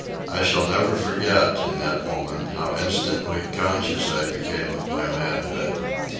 I shall never forget, in that moment, how instantly conscious I became of my manhood.